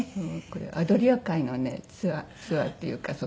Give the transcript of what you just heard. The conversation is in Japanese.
アドリア海のねツアーツアーっていうか船の。